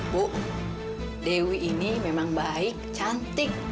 bu dewi ini memang baik cantik